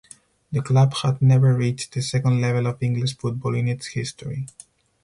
The club had never reached the second level of English football in its history.